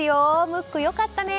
ムック、良かったね。